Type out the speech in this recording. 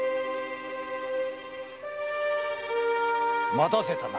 待たせたな。